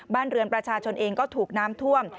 บ้านเรือนประชาชนเองก็ถูกน้ำท่วม